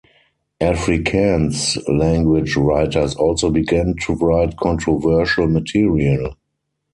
Afrikaans-language writers also began to write controversial material.